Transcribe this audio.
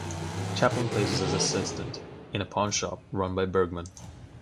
Chaplin plays an assistant in a pawnshop run by Bergman.